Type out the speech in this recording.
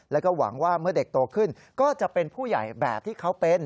แล้วก็หวังว่าเมื่อเด็กโตขึ้นก็จะเป็นผู้ใหญ่แบบที่เขาเป็น